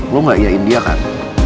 lo gak iyain dia kan